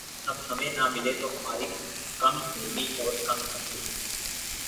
اب ہمیں نہ ملے تو ہماری کم علمی اور کم عقلی